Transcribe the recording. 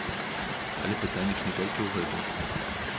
Але пытанне ж не толькі ў гэтым.